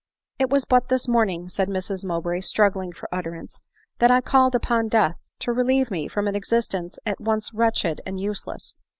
" It was but this morning," said Mrs Mowbray, strug gling for utterance, " that I called upon Death to relieve me from an existence at once wretched and useless."